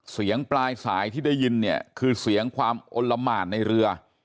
เสียงปลายสายที่ได้ยินเนี่ยคือเสียงความอลละหมานในเรือ